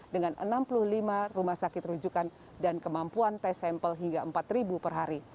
dengan enam puluh lima rumah sakit rujukan dan kemampuan tes sampel hingga empat per hari